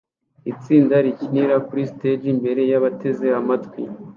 Itsinda rikinira kuri stage imbere yabateze amatwi